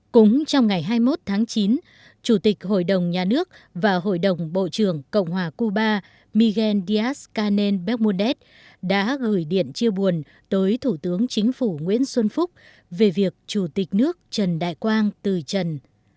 cũng trong ngày hai mươi một tháng chín chủ tịch hội đồng nhà nước và hội đồng bộ trưởng cộng hòa cuba miguel díaz canel becmundet đã gửi điện chia buồn tới thủ tướng chính phủ nguyễn xuân phúc về việc chủ tịch nước trần đại quang từ trần